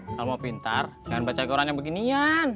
kalau mau pintar jangan baca ikuran yang beginian